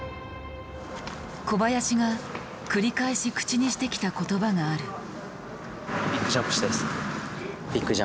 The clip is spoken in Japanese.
小林が繰り返し口にしてきた言葉がある。